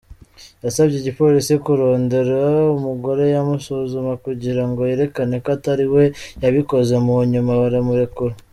Yasavye igipolisi kurondera umugore yomusuzuma, kugira ngo yerekane ko atari we yabikoze, munyuma baramurekura.